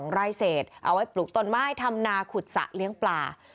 ไร่เศษเอาไว้ปลูกต้นไม้ทำนาขุดสระเลี้ยงปลา